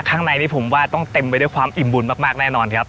ข้างในนี้ผมว่าต้องเต็มไปด้วยความอิ่มบุญมากแน่นอนครับ